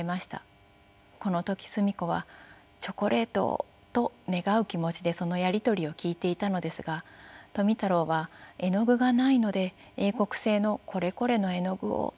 この時澄子は「チョコレートを！」と願う気持ちでそのやり取りを聞いていたのですが富太郎は絵の具がないので英国製のこれこれの絵の具をと望みました。